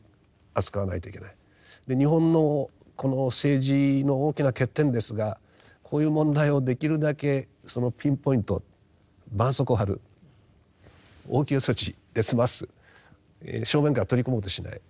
で日本のこの政治の大きな欠点ですがこういう問題をできるだけピンポイントばんそうこうを貼る応急措置で済ます正面から取り組もうとしない